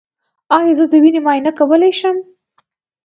ایا زه د وینې معاینه کولی شم؟